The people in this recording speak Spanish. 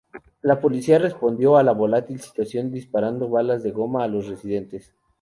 La policía respondió a la volátil situación disparando balas de goma a los residentes.